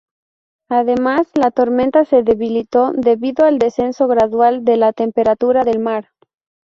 Además, la tormenta se debilitó debido al descenso gradual de la temperatura del mar.